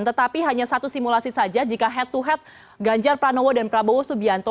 tetapi hanya satu simulasi saja jika head to head ganjar pranowo dan prabowo subianto